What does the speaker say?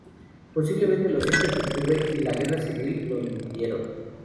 Posiblemente los hechos de octubre y la guerra civil lo impidieron.